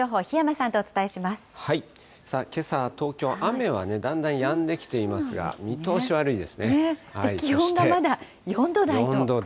さあ、けさは東京、雨はだんだんやんできていますが、見通し気温がまだ４度台。